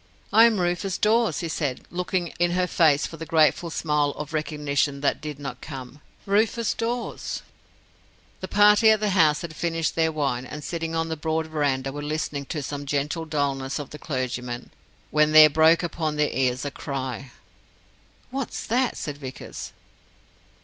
"I am Rufus Dawes," he said, looking in her face for the grateful smile of recognition that did not come "Rufus Dawes." The party at the house had finished their wine, and, sitting on the broad verandah, were listening to some gentle dullness of the clergyman, when there broke upon their ears a cry. "What's that?" said Vickers.